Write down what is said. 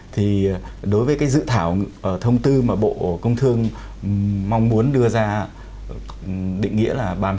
thì đối với cái dự thảo thông tư mà bộ công thương mong muốn đưa ra định nghĩa là